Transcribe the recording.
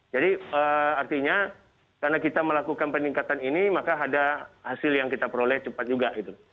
jadi artinya karena kita melakukan peningkatan ini maka ada hasil yang kita peroleh cepat juga